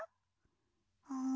うん？